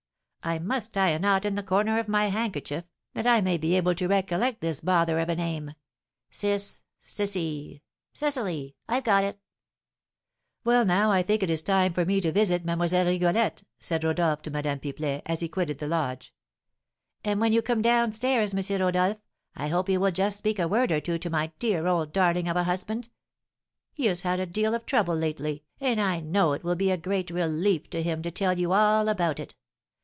I must tie a knot in the corner of my handkerchief, that I may be able to recollect this bother of a name. Ciss Cissy Cecily I've got it!" "Well, now, I think it is time for me to visit Mlle. Rigolette," said Rodolph to Madame Pipelet, as he quitted the lodge. "And when you come down stairs, M. Rodolph, I hope you will just speak a word or two to my dear old darling of a husband. He has had a deal of trouble lately, and I know it will be a great relief to him to tell you all about it.